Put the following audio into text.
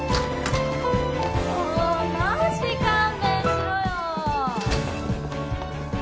もうマジ勘弁しろよ